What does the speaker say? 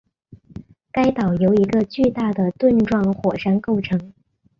该岛由一个巨大的盾状火山构成